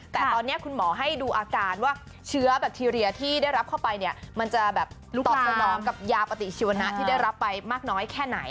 แต่ตอนนี้คุณหมอให้ดูอาการว่าเชื้อแบคทีเรียที่ได้รับเข้าไปเนี่ยมันจะแบบตอบสนองกับยาปฏิชีวนะที่ได้รับไปมากน้อยแค่ไหน